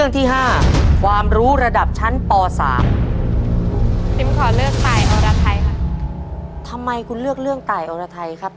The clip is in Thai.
ทำไมคุณเลือกเรื่องตายอรไทยครับ